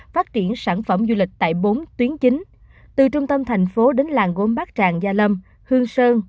phát triển sản phẩm du lịch tại bốn tuyến chính từ trung tâm thành phố đến làng gốm bát tràng gia lâm hương sơn